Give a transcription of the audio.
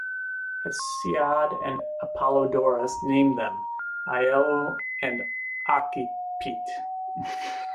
Hesiod and Apollodorus name them: Aello and Ocypete.